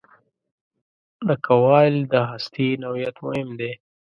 د کوایل د هستې نوعیت مهم دی.